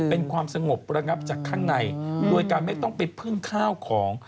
เป็นความสงบระงับจากข้างในโดยการไม่ต้องไปพึ่งข้าวของ